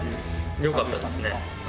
よかったですね。